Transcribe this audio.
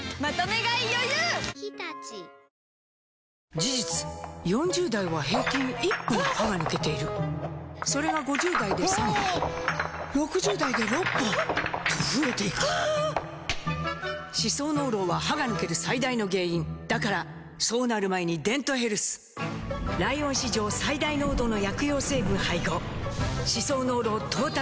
事実４０代は平均１本歯が抜けているそれが５０代で３本６０代で６本と増えていく歯槽膿漏は歯が抜ける最大の原因だからそうなる前に「デントヘルス」ライオン史上最大濃度の薬用成分配合歯槽膿漏トータルケア！